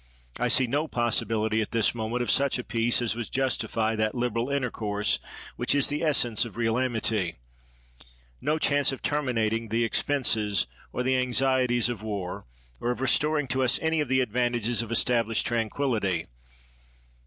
I see no possibility at this moment of such a peace as would justify that liberal intercourse which is the essence of real amity; no chance of terminating the expenses or the anxieties of war, or of restoring to us any of the advantages of established tranquillity; and, a.>